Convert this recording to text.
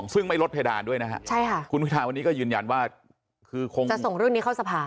ซึ่งไม่ลดเพดานด้วยนะฮะใช่ค่ะคุณวิทาวันนี้ก็ยืนยันว่าคือคงจะส่งเรื่องนี้เข้าสภา